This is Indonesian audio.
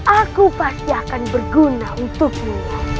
aku pasti akan berguna untukmu